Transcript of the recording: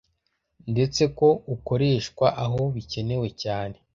ndetse ko ukoreshwa "aho bikenewe cyane"